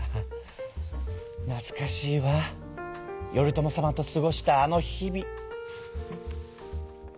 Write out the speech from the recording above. なつかしいわ頼朝様と過ごしたあの日々。